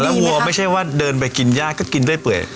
วัวไม่ใช่ว่าเดินไปกินย่าก็กินด้วยเปื่อย